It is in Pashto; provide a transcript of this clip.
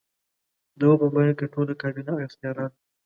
ده وفرمایل که ټوله کابینه او اختیارات.